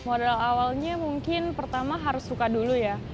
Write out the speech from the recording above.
modal awalnya mungkin pertama harus suka dulu ya